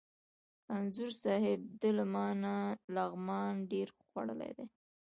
انځور صاحب! ده له ما نه لغمان ډېر خوړلی دی.